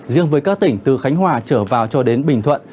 riêng với các tỉnh từ khánh hòa trở vào cho đến bình thuận